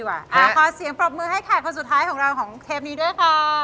เอาคอเสียงปรอบมือให้ขายสุดท้ายของแบบนี้ด้วยคอ